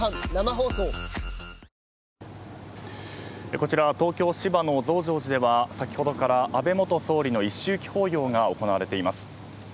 こちら東京・芝の増上寺では先ほどから安倍元総理の一周忌法要が行われています。